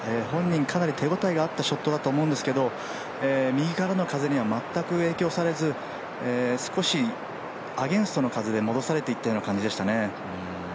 本人、かなり手応えがあったショットだと思うんですけど右からの風にはまったく影響されず少しアゲンストの風で戻されていったような感じですね。